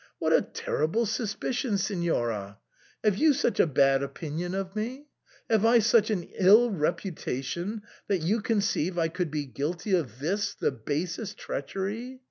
" What a terrible suspicion, Signora ! Have you such a bad opinion of me ? Have I such an ill reputation that you conceive I could be guilty of this the basest treachery